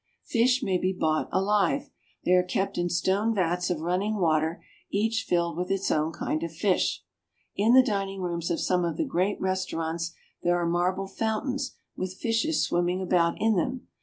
Fish may be bought alive. They are kept in stone vats of running water, each filled with its own kind of fish. In the dining rooms of some of the great restaurants there are marble fountains with fishes swimming about in them.